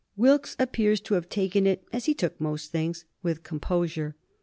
Wilkes appears to have taken it, as he took most things, with composure.